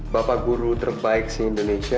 bapak guru terbaik di indonesia